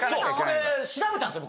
これ調べたんですよ